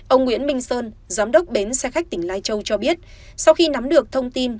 ông nguyễn minh sơn giám đốc bến xe khách tỉnh lai châu cho biết sau khi nắm được thông tin